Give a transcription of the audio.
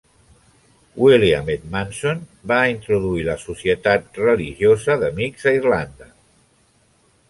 William Edmundson va introduir la Societat Religiosa d'Amics a Irlanda.